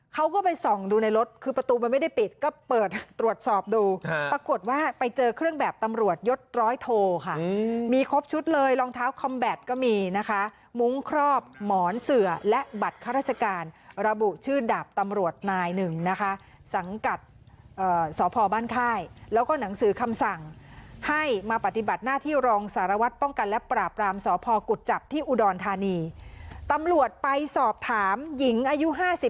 เขาก็ไปส่องดูในรถคือประตูมันไม่ได้ปิดก็เปิดตรวจสอบดูปรากฏว่าไปเจอเครื่องแบบตำรวจยศร้อยโทค่ะมีครบชุดเลยรองเท้าคอมแบตก็มีนะคะมุ้งครอบหมอนเสือและบัตรข้าราชการระบุชื่อดาบตำรวจนายหนึ่งนะคะสังกัดสพบ้านค่ายแล้วก็หนังสือคำสั่งให้มาปฏิบัติหน้าที่รองสารวัตรป้องกันและปราบรามสพกุจจับที่อุดรธานีตำรวจไปสอบถามหญิงอายุ๕๐